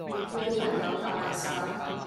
女朋友大曬